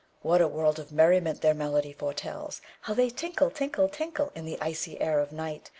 What a world of merriment their melody foretells! How they tinkle, tinkle, tinkle, In the icy air of night!